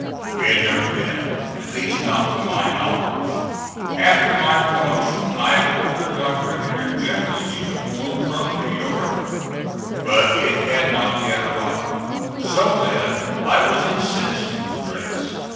We had never met, at least not to my knowledge. After my promotion I had ordered my brigadier general's uniform from New York, but it had not yet arrived, so that I was in citizen's dress.